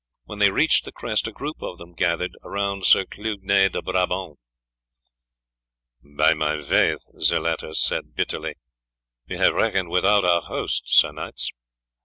When they reached the crest a group of them gathered around Sir Clugnet de Brabant. "By my faith," the latter said bitterly, "we have reckoned without our host, Sir Knights.